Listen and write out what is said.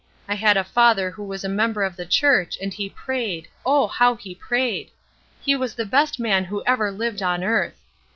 I had a father who was a member of the church and he prayed oh, how he prayed! He was the best man who ever lived on earth!